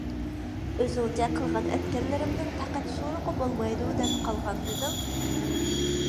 ئۆزۈڭچە قىلغان - ئەتكەنلىرىمنىڭ پەقەت سورىقى بولمايدۇ، دەپ قالغانمىدىڭ؟